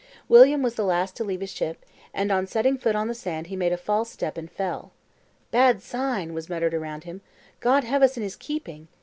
William was the last to leave his ship; and on setting foot on the sand he made a false step and fell. "Bad sign!" was muttered around him; "God have us in His keeping!"